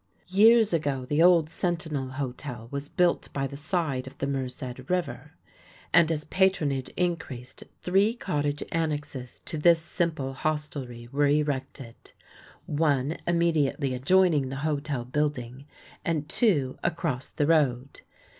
Years ago the old Sentinel Hotel was built by the side of the Merced River, and as patronage increased three cottage annexes to this simple hostelry were erected one immediately adjoining the hotel building and two across the road.